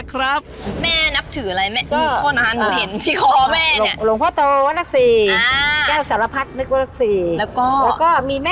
วันนี้นะค่ะ